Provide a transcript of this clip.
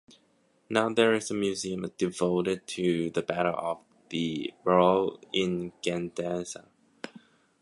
Now there is a museum devoted to the Battle of the Ebro in Gandesa.